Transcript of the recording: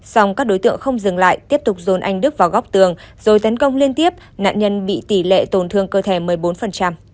xong các đối tượng không dừng lại tiếp tục dồn anh đức vào góc tường rồi tấn công liên tiếp nạn nhân bị tỷ lệ tổn thương cơ thể một mươi bốn